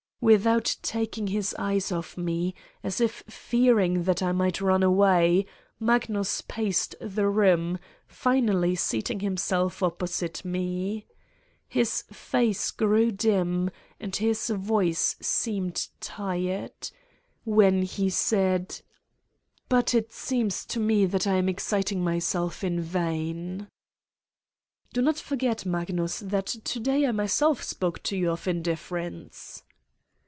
Without taking his eyes off me, as if fearing that I might run away, Magnus paced the room, finally seating himself opposite Me. His face grew dim and his voice seemed tired, when he said: "But it seems to me that I am exciting myself in vain. ..." 127 Satan's Diary "Do not forget, Magnus, that to day I myself spoke to you of indifference.